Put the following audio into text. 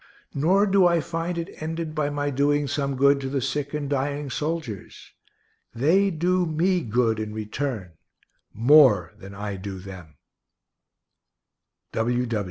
Nor do I find it ended by my doing some good to the sick and dying soldiers. They do me good in return, more than I do them.